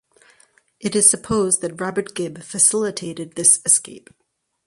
It is supposed that Robert Gibb facilitated this escape.